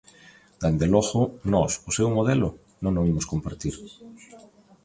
Dende logo, nós o seu modelo non o imos compartir.